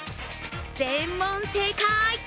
全問正解！